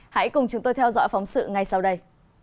hãy cùng chúng tôi theo dõi phóng sự ngay sau đây